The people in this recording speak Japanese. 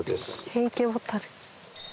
ヘイケボタル。